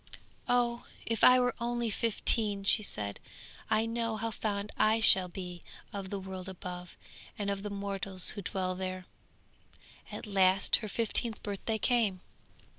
'Oh! if I were only fifteen!' she said, 'I know how fond I shall be of the world above, and of the mortals who dwell there.' At last her fifteenth birthday came.